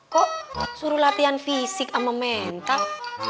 kok suruh latihan fisik sama mental